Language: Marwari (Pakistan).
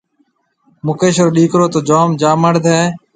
مڪيش رو ڏِيڪرو تو جوم جامڙد هيَ۔